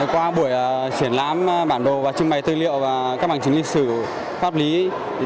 qua buổi triển lãm bản đồ và trưng bày tư liệu và các bằng chứng lý sự pháp lý